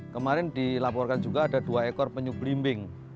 kemarin dilaporkan juga ada dua ekor penyuh berlimbing